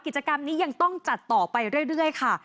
กิจกรรมนี้ยังต้องจัดต่อไปเรื่อยค่ะ